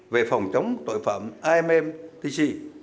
về phòng chống tội phạm immtc